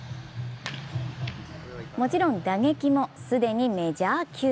もちろん打撃も既にメジャー級。